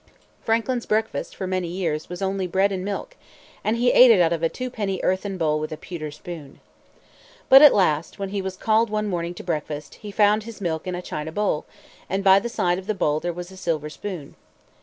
Franklin's breakfast, for many years, was only bread and milk; and he ate it out of a twopenny earthen bowl with a pewter spoon. But at last, when he was called one morning to breakfast, he found his milk in a china bowl; and by the side of the bowl there was a silver spoon.